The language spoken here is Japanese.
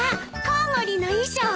コウモリの衣装？